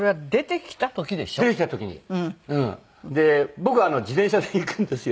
僕は自転車で行くんですよ。